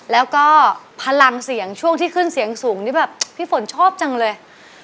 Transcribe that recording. แล้วก็พลังเสียงช่วงที่ขึ้นเสียงสูงนี่แบบพี่ฝนชอบจังเลย